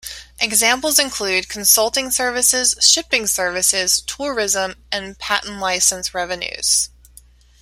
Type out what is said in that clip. Examples include consulting services, shipping services, tourism, and patent license revenues.